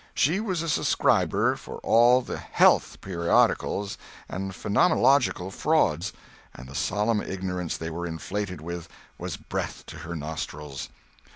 She was a subscriber for all the "Health" periodicals and phrenological frauds; and the solemn ignorance they were inflated with was breath to her nostrils.